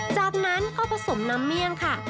จากนั้นก็ผสมน้ำเมี่ยงค่ะ